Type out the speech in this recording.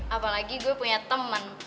apalagi gue punya temen